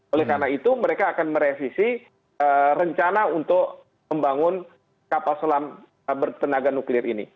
oleh karena itu mereka akan merevisi rencana untuk membangun kapal selam bertenaga nuklir ini